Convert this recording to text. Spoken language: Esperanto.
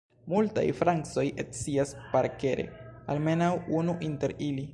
Multaj francoj scias parkere almenaŭ unu inter ili.